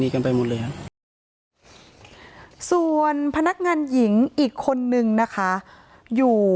กันไปหมดเลยฮะส่วนพนักงานหญิงอีกคนนึงนะคะอยู่